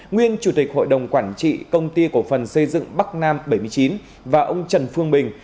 nguyên chủ tịch hội đồng quản trị công ty cổ phần xây dựng bắc nam bảy mươi chín và ông trần phương bình